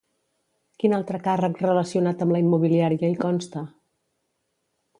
Quin altre càrrec relacionat amb la immobiliària hi consta?